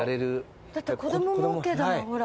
だって子供もＯＫだもんほら。